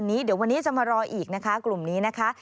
เดี๋ยววันนี้จะมารออีกนะคะกลุ่มนี้นะคะ